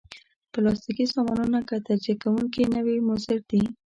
پلاستيکي سامانونه که تجزیه کېدونکي نه وي، مضر دي.